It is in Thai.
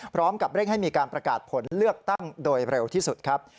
พร้อมกับเร่งให้มีการประกาศผลเลือกตั้งโดยเร็วที่สุดครับ